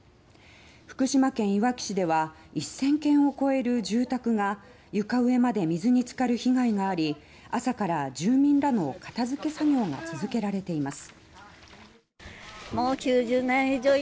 福島県いわき市では１０００棟を超える住宅が床上まで水に浸かる被害があり朝から住民らの片付け作業が続けられています。